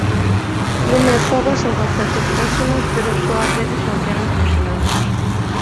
Lume e fogo son conceptos próximos pero só ás veces funcionan como sinónimos.